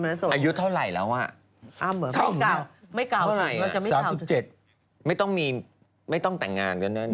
อายุเท่าไหร่แล้วอ่ะไม่เก่าไม่เก่าจริงไม่ต้องแต่งงานกันเนี่ย